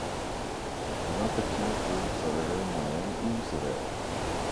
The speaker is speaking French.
Ces infections peuvent s'avérer moyennes ou sévères.